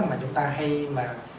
mà chúng ta hay mà